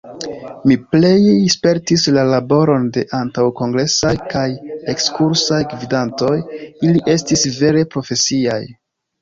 Mi plej spertis la laboron de antaŭkongresaj kaj ekskursaj gvidantoj: ili estis vere profesiaj.